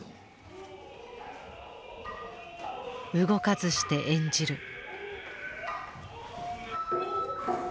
動かずして演じる。